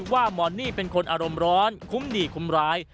ที่ว่ามอนี่คือคนอารมิร้อนคุ้มหนี่คุ้มร้าย